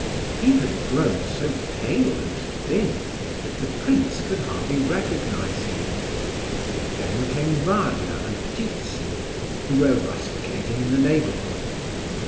He had grown so pale and thin that the prince could hardly recognize him. Then came Varia and Ptitsin, who were rusticating in the neighbourhood.